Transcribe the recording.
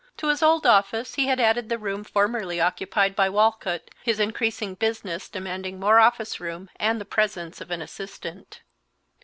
To his old office he had added the room formerly occupied by Walcott, his increasing business demanding more office room and the presence of an assistant.